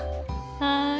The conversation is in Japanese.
はい。